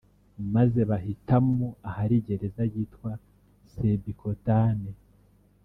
maze bahitamo ahari gereza yitwa Sébikotane